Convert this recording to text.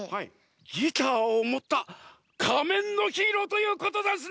ギターをもったかめんのヒーローということざんすね！